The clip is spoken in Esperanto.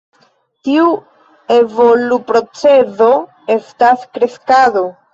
Tiu evoluprocezo estas kreskado.